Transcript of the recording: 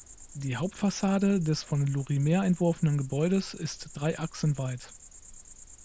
Die Hauptfassade des von Lorimer entworfenen Gebäudes ist drei Achsen weit.